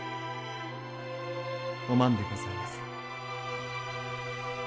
お万でございます。